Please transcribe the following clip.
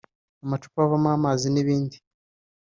amacupa avamo amazi n’ibindi